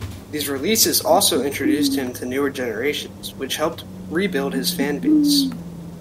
These releases also introduced him to newer generations, which helped rebuild his fan base.